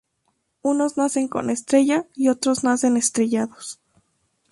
Unos nacen con estrella y otros nacen estrellados